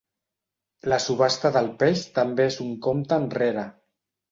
La subhasta del peix també és un compte enrere.